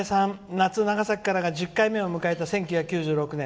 「夏・長崎からが１０回目を迎えた１９９６年。